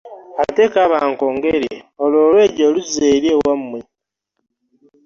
Ate kaaba nkwongere olwo olwejo luzzeeyo eri ewammwe.